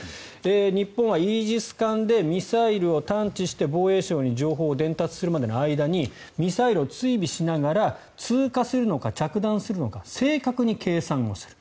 日本はイージス艦でミサイルを探知して防衛省に情報を伝達するまでの間にミサイルを追尾しながら通過するのか着弾するのか正確に計算をする。